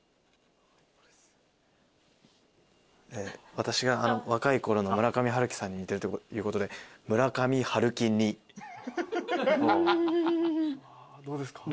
私が若いころの村上春樹さんに似てるということで「村上春樹似」どうですか？